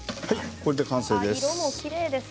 これで完成です。